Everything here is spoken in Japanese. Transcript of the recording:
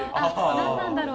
何なんだろう？